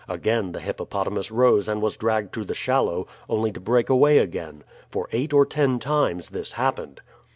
Again the hippopotamus rose and was dragged to the shallow, only to break away again. For eight or ten times this happened.